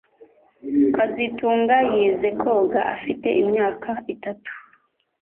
kazitunga yize koga afite imyaka itatu